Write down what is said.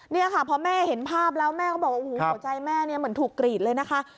นี่ค่ะพอแม่เห็นภาพแล้วแม่ก็บอกว่าโอ้โหหัวใจแม่เนี่ยเหมือนถูกกรีดเลยนะคะ